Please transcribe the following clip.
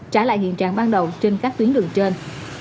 trả lại hiện trạng ban đầu trên các tuyến đường trên